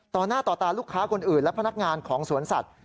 ต่อหน้าต่อตาลูกค้าคนอื่นและพนักงานของสวนสัตว์